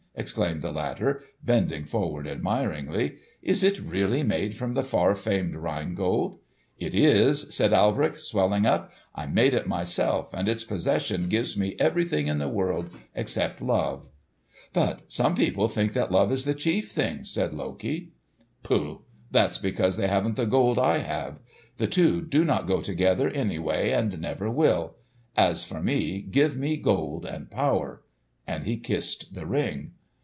exclaimed the latter, bending forward admiringly. "Is it really made from the far famed Rhine Gold?" "It is," said Alberich, swelling up. "I made it myself, and its possession gives me everything in the whole world except love." "But some people think that love is the chief thing," said Loki. "Pooh! that's because they haven't the gold I have. The two do not go together anyway, and never will. As for me, give me gold and power." And he kissed the Ring.